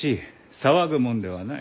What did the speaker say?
騒ぐもんではない。